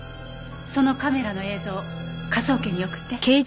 そのカメラの映像科捜研に送って。